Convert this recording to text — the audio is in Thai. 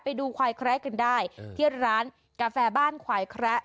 ไปดูควายแคระกันได้ที่ร้านกาแฟบ้านควายแคระ